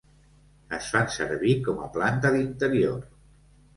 Es fan servir com a planta d'interior.